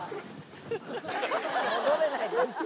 戻れない。